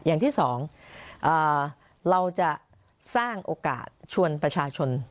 อย่างที่สองเราจะสร้างโอกาสชวนประชาชน